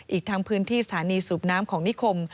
อีกทั้งพื้นที่สถานีสูบน้ำของนิคม